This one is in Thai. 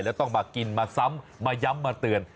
แล้วต้องมากินมาซ้ำมาย้ำมาเตือน